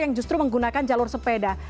yang justru menggunakan jalur sepeda